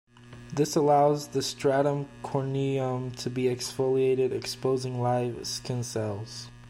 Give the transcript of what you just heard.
This allows the stratum corneum to be exfoliated, exposing live skin cells.